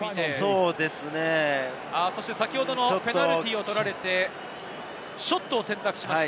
先ほどのペナルティーを取られてショットを選択しました。